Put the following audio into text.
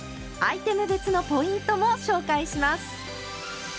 アイテム別のポイントも紹介します！